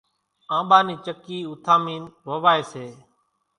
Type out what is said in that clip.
آنٻا نِي چڪِي اُوٿامينَ ووائيَ سي۔